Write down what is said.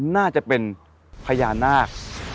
น่าจะเป็นพญานาค